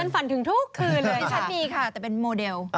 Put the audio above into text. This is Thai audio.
ดิฉันฝันถึงทุกคืนเลยค่ะ